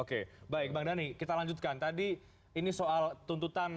oke baik bang dhani kita lanjutkan tadi ini soal tuntutan yang disampaikan oleh aspirasi insan tengah